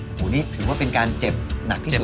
โอ้โหนี่ถือว่าเป็นการเจ็บหนักที่สุด